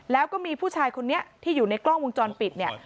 แล้วก็มีผู้ชายคนนี้ที่อยู่ในกล้องวงจรปิดเนี่ย